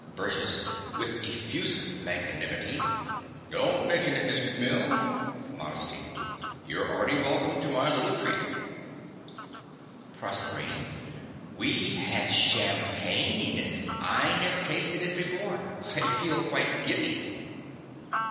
BURGESS (with effusive magnanimity). Don't mention it, Mr. Mill. (Modestly.) You're 'arty welcome to my little treat. PROSERPINE. We had champagne! I never tasted it before. I feel quite giddy.